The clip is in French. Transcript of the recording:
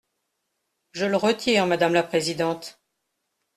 Je le retire, madame la présidente.